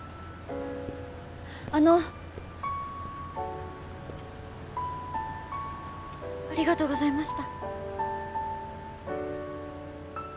あのありがとうございました